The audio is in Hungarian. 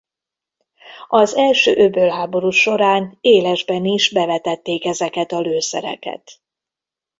Az első öbölháború során élesben is bevetették ezeket a lőszereket.